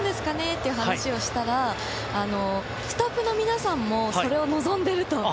って話をしたらスタッフの皆さんもそれを望んでいると。